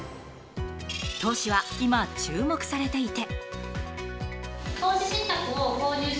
投資は今、注目されていて。